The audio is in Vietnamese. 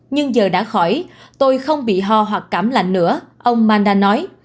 nhưng giờ đã khỏi tôi không bị ho hoặc cảm lạnh nữa ông manda nói